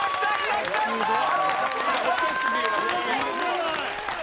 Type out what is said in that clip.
すごーい！